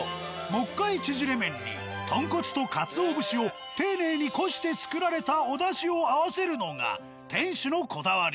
木灰ちぢれ麺に豚骨と鰹節を丁寧にこして作られたおダシを合わせるのが店主のこだわり。